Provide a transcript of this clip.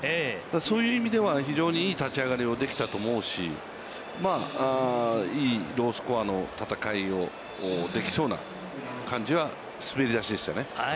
そういう意味では非常にいい立ち上がりをできたと思うし、まあ、いいロースコアの戦いができそうな感じは、滑り出しでしたね。